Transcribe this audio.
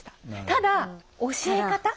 ただ教え方？